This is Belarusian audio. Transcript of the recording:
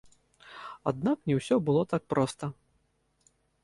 Аднак не ўсё было так проста.